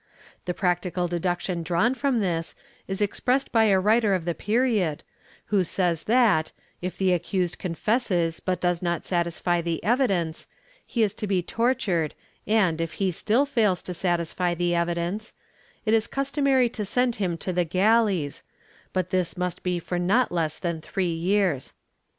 The practical deduction drawn from this is expressed by a writer of the period, who says that, if the accused confesses but does not satisfy the evidence, he is to be tortured and, if he still fails to satisfy the evidence, it is customary to send him to the galleys, but this must be for not less than three years.